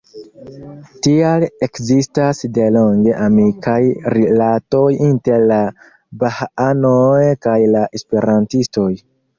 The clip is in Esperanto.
Tial ekzistas delonge amikaj rilatoj inter la bahaanoj kaj la esperantistoj.